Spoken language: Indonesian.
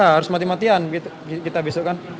ya harus mati matian kita besok kan